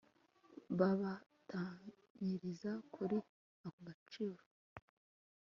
babatatanyiriza kuri ako gacuri